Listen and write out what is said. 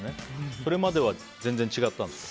それまでは全然違ったんですか？